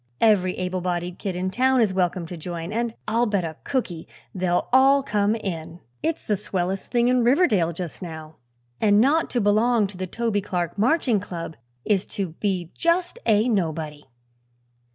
"Every able bodied kid in town is welcome to join, and I'll bet a cookie they'll all come in. It's the swellest thing in Riverdale, just now, and not to belong to the Toby Clark Marching Club is to be just a nobody."